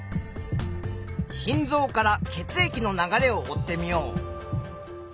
心臓から血液の流れを追ってみよう。